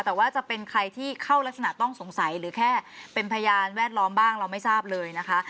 แต่ว่าจะเป็นใครที่เข้ารักษณะต้องสงสัยหรือแค่เป็นพยานแวดล้อมบ้างเราไม่ทราบเลยนะคะ